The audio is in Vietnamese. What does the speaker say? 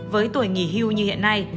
với tuổi nghỉ hưu như hiện nay